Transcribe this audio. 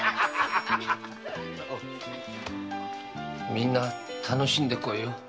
みんな楽しんでこいよ。